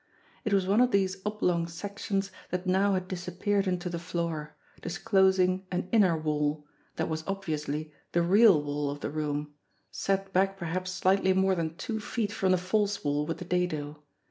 It was one of these oblong sections that now had disappeared into the floor, disclosing an inner wall, that was obviously the real wall of the room, set back perhaps slightly more than two feet from the false wall with the dado.